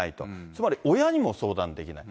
つまり、親にも相談できない。